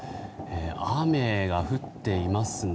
雨が降っていますね。